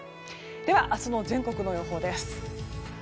では、明日の全国の予報です。